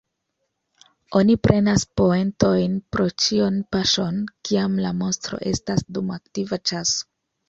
Oni prenas poentojn pro ĉion paŝon kiam la monstro estas dum aktiva ĉaso.